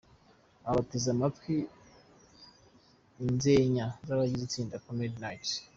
Aba bateza amatwi inzenya z'abagize itsinda Comedy Knights.